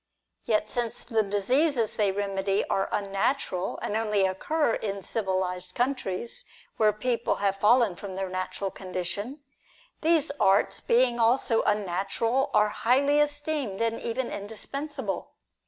Yet, since the diseases they remedy are unna tural, and only occur in civilised countries, where people have fallen from their natural condition, these arts, being also unnatural, are highly esteemed and even indispensable.